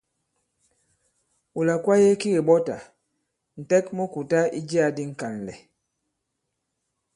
Wula kwaye ki kèɓɔtà, ǹtɛk mu kùta i jiyā di ŋ̀kànlɛ̀.